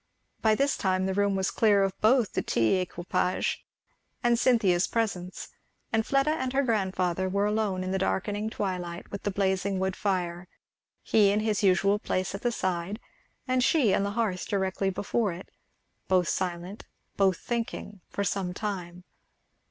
By this time the room was clear both of the tea equipage and of Cynthia's presence, and Fleda and her grandfather were alone in the darkening twilight with the blazing wood fire; he in his usual place at the side, and she on the hearth directly before it; both silent, both thinking, for some time.